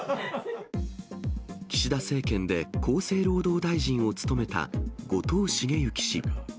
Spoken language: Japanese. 岸田政権で、厚生労働大臣を務めた後藤茂之氏。